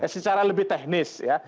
secara lebih teknis ya